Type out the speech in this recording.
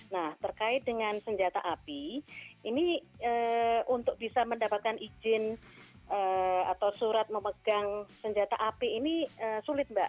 nah terkait dengan senjata api ini untuk bisa mendapatkan izin atau surat memegang senjata api ini sulit mbak